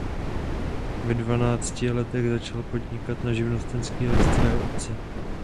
Ve dvanácti letech začal podnikat na živnostenský list svého otce.